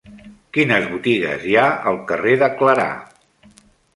Quines botigues hi ha al carrer de Clarà?